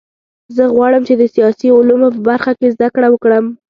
زه غواړم چې د سیاسي علومو په برخه کې زده کړه وکړم